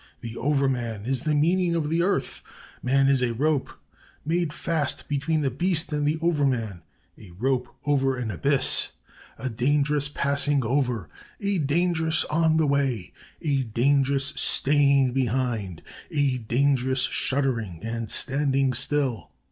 The Over man is the meaning of the Earth.... Man is a rope, made fast between the Beast and the Over man a rope over an abyss. A dangerous passing over, a dangerous on the way, a dangerous staying behind, a dangerous shuddering and standing still.